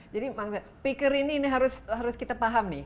jadi peaker ini harus kita paham nih